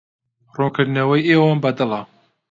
ڕوونکردنەوەی ئێوەم بەدڵە.